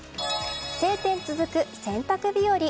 晴天続く、洗濯日和。